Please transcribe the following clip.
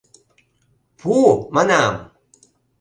Пу, манам!